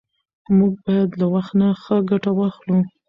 موږ باید له وخت نه ښه ګټه واخلو